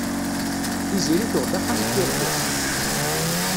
Tiziri tuɣed axxam n tirga-s.